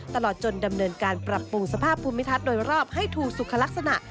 ตลอดจนดำเนินการปรับปรุงสภาพภูมิทัศน์โดยรอบให้ถูกสุขลักษณะ